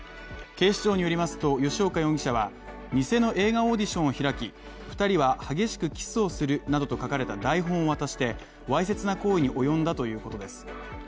警視庁によりますと吉岡容疑者は偽の映画オーディションを開き２人は激しくキスをするなどと書かれた台本を渡してわいせつな行為に及んだということです。